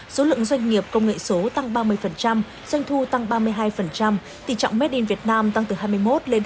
số lượng doanh nghiệp công nghệ số tăng ba mươi doanh thu tăng ba mươi hai tỷ trọng made in vietnam tăng từ hai mươi một lên hai mươi chín